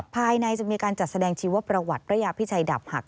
ภายในจะมีการจัดแสดงชีวประวัติพระยาพิชัยดับหัก